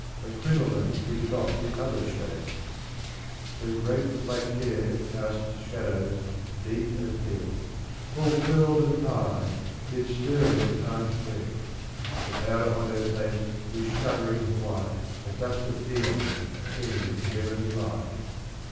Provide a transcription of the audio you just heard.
A crinoline keeps off the other shades ; Her grape black hair casts shadows deep as death : All curled and high, yet stirring at Time's breath. The powder on her face is shuddering white As dust of aeons seen in heaven's light.